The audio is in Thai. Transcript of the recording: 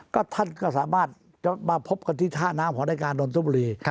ก็ท่านก็สามารถมาพบกันที่ท่าน้ำหัวได้กาลนทุบรี